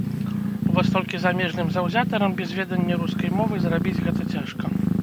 Вось толькі замежным заўзятарам без ведання рускай мовы зрабіць гэта цяжка.